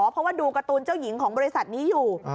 เพราะว่าดูการ์ตูนเจ้าหญิงของบริษัทนี้อยู่